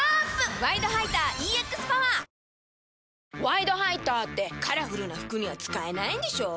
「ワイドハイター」ってカラフルな服には使えないんでしょ？